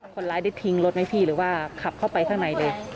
คนร้ายได้ทิ้งรถไหมพี่หรือว่าขับเข้าไปข้างในเลย